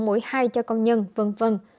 mũi hai cho công nhân